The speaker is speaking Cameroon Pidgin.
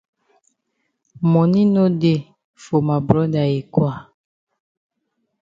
Moni no dey for ma broda yi kwa.